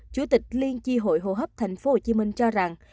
chủ tịch liên chi hội hồ hấp tp hcm cho rằng